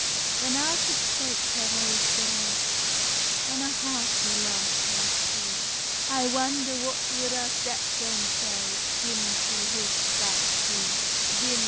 Then out it spake her Rose the Red, An a hearty laugh laugh she: "I wonder what would our step dame say, Gin she his sight did see!"